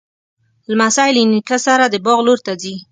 لمسی له نیکه سره د باغ لور ته ځي.